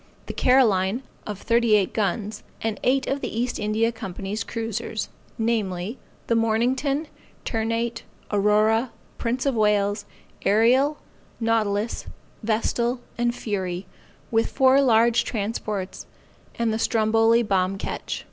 The Caroline of thirty eight guns; and eight of the East India Company's cruisers, namely, the Mornington, Ternate, Aurora, Prince of Wales, Ariel, Nautilus, Vestal and Fury, with four large transports, and the Stromboli bomb ketch.